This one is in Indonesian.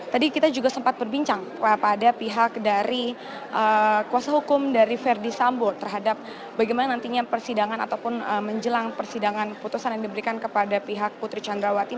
tadi kita juga sempat berbincang pada pihak dari kuasa hukum dari verdi sambo terhadap bagaimana nantinya persidangan ataupun menjelang persidangan putusan yang diberikan kepada pihak putri candrawati